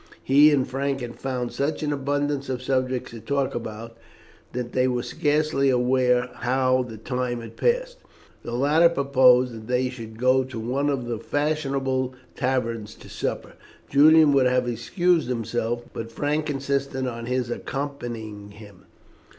He and Frank had found such an abundance of subjects to talk about that they were scarcely aware how the time had passed. The latter proposed that they should go to one of the fashionable taverns to supper. Julian would have excused himself, but Frank insisted on his accompanying him.